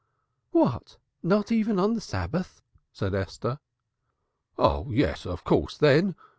"What! Not even on the Sabbath?" said Esther. "Oh, yes: of course, then.